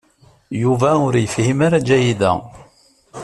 Yuba ur yefhim ara Ǧahida.